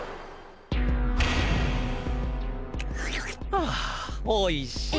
ああおいしい。